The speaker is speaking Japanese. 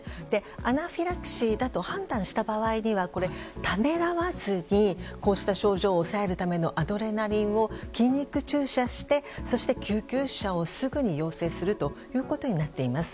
アナフィラキシーだと判断した場合にはためらわずにこうした症状を抑えるためのアドレナリンを筋肉注射してそして救急車をすぐに要請するということになっています。